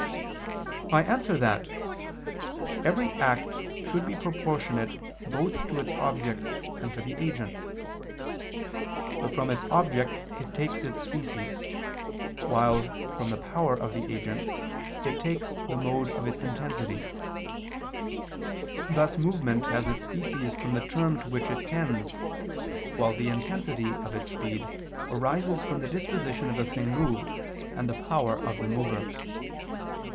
I answer that, Every act should be proportionate both to its object and to the agent. But from its object it takes its species, while, from the power of the agent it takes the mode of its intensity: thus movement has its species from the term to which it tends, while the intensity of its speed arises from the disposition of the thing moved and the power of the mover.